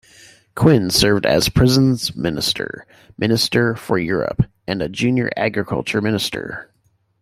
Quin served as prisons minister, Minister for Europe, and as a junior agriculture minister.